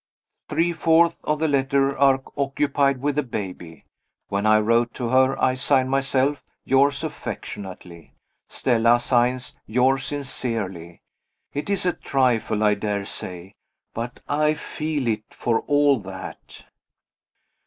Three fourths of the letter are occupied with the baby. When I wrote to her I signed myself "yours affectionately." Stella signs "yours sincerely." It is a trifle, I daresay but I feel it, for all that.